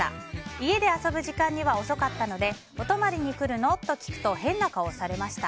家で遊ぶ時間には遅かったのでお泊りに来るの？と聞くと変な顔をされました。